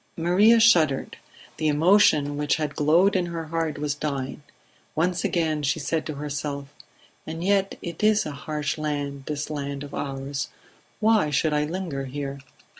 Maria shuddered; the emotion which had glowed in her heart was dying; once again she said to herself: "And yet it is a harsh land, this land of ours ... Why should I linger here?"